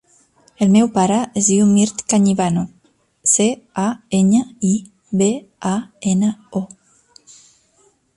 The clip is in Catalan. El meu pare es diu Mirt Cañibano: ce, a, enya, i, be, a, ena, o.